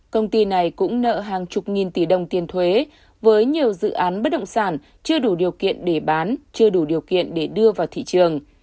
công ty này cũng nợ hàng chục nghìn tỷ đồng tiền thuế với nhiều dự án bất động sản chưa đủ điều kiện để bán chưa đủ điều kiện để đưa vào thị trường